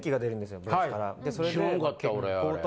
知らんかった。